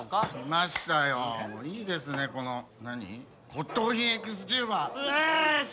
骨董品ＥｘＴｕｂｅｒ！よーし！